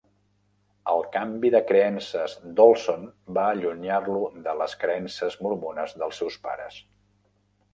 El canvi de creences d'Olson va allunyar-lo de les creences mormones dels seus pares.